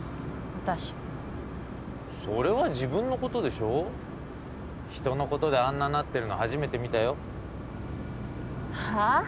私それは自分のことでしょ人のことであんななってるの初めて見たよはあ？